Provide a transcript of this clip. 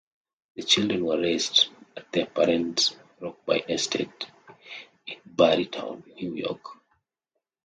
The children were raised at their parents' Rokeby Estate in Barrytown, New York.